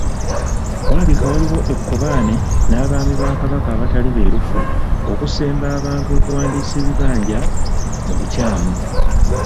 Walabika waaliwo ekkobaane n’Abaami ba Kabaka abataali beerufu okusemba abantu okuwandiisa ebibanja mu bukyamu.